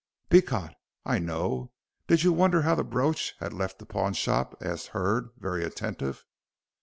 "Beecot. I know. Didn't you wonder how the brooch had left the pawnshop?" asked Hurd, very attentive.